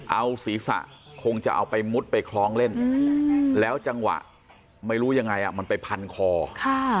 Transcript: เอาศีรษะคงจะเอาไปมุดไปคล้องเล่นอืมแล้วจังหวะไม่รู้ยังไงอ่ะมันไปพันคอค่ะ